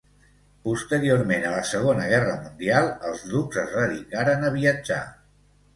Posteriorment a la Segona Guerra Mundial els ducs es dedicaren a viatjar.